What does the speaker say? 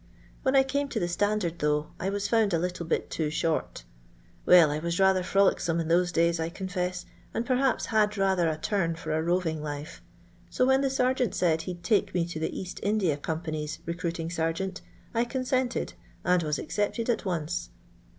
When I came to the standard, though, I was found a little bit too short Well, I was rather frt>licsome in those days, I confess, and perhaps had rttther a turn for a roving life, so when the sergeant said he 'd take me to tbe Bast India Company's recruiting sergeant, I consented, and was accepted at once.